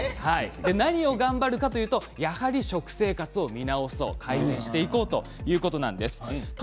何を頑張ればいいかというとやはり食生活を見直そう改善していこうということなんです。